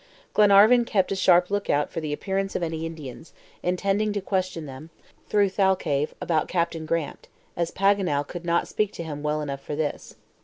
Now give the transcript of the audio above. Glenarvan kept a sharp lookout for the appearance of any Indians, intending to question them, through Thalcave, about Captain Grant, as Paganel could not speak to him well enough for this.